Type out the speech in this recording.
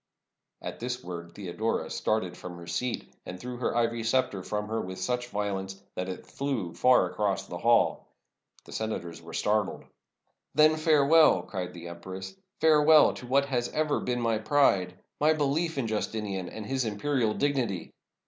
At this word Theodora started from her seat, and threw her ivory scepter from her with such violence that it flew far across the hall. The senators were startled. "Then, farewell," cried the empress ;" farewell to what has ever been my pride — my belief in Justinian and his imperial dignity!